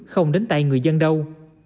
không đến tại người dân đâu